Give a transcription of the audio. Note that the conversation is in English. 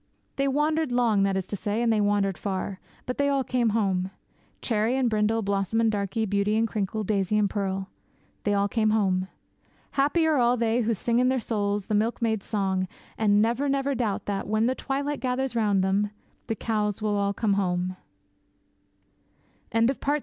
They wandered long, that is to say, and they wandered far. But they all came home Cherry and Brindle, Blossom and Darkie, Beauty and Crinkle, Daisy and Pearl they all came home. Happy are all they who sing in their souls the milkmaid's song, and never, never doubt that, when the twilight gathers round them, the cows will all come home!